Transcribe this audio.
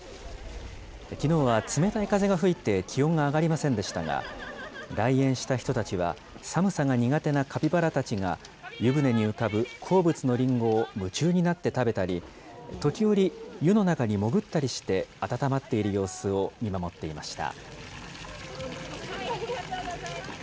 きのうは冷たい風が吹いて気温が上がりませんでしたが、来園した人たちは、寒さが苦手なカピバラたちが、湯船に浮かぶ好物のりんごを夢中になって食べたり、時折、湯の中に潜ったりして、温まっている様子を見守っていました。